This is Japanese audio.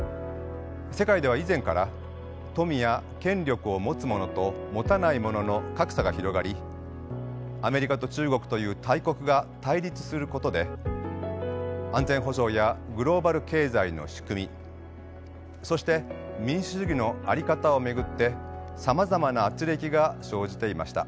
世界では以前から富や権力を持つ者と持たない者の格差が広がりアメリカと中国という大国が対立することで安全保障やグローバル経済の仕組みそして民主主義のあり方を巡ってさまざまな軋轢が生じていました。